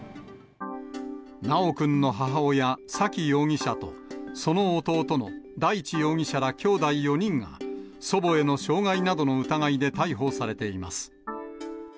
修くんの母親、沙喜容疑者と、その弟の大地容疑者らきょうだい４人が、祖母への傷害などの疑いで逮捕されています。